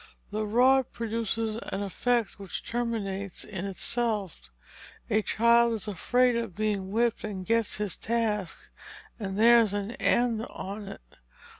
The rod produces an effect which terminates in itself. A child is afraid of being whipped, and gets his task, and there's an end on't.